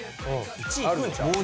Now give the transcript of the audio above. １位いくんちゃう？